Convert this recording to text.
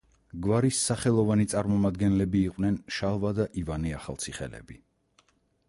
გვარის სახელოვანი წარმომადგენლები იყვნენ შალვა და ივანე ახალციხელები.